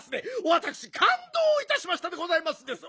わたくしかんどういたしましたでございますです！